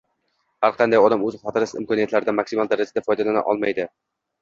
Har qanday odam o'z xotirasi imkoniyatlaridan maksimal darajada foydalana olmaydi.